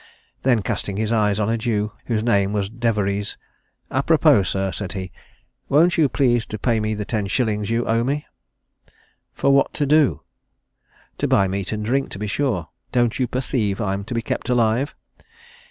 Then casting his eyes on a Jew, whose name was Deveries, 'Apropos, sir,' said he, 'won't you please to pay me the ten shillings you owe me?' 'For what to do?' 'To buy meat and drink, to be sure: don't you perceive I'm to be kept alive?'